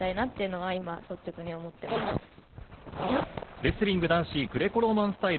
レスリング男子グレコローマンスタイル